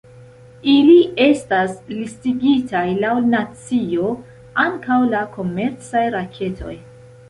Ili estas listigitaj laŭ nacio, ankaŭ la komercaj raketoj.